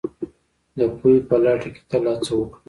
د پوهې په لټه کې تل هڅه وکړئ